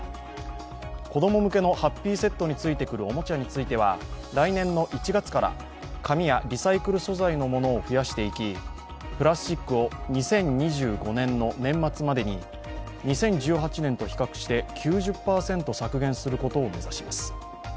子供向けのハッピーセットについてくるおもちゃについては来年１月から紙やリサイクル素材のものを増やしていき、プラスチックを２０２５年の年末までに２０１８年と比較して９０％削減することを目指します。